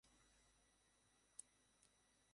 এটা কি হইছে?